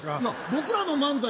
僕らの漫才